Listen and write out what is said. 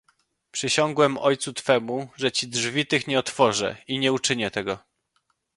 "Przysiągłem ojcu twemu, że ci drzwi tych nie otworzę i nie uczynię tego."